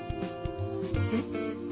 えっ？